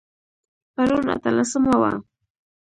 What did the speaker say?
پرون اتلسمه وه